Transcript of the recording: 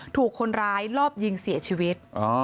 ถูกคนร้ายรอบยิงเสียชีวิต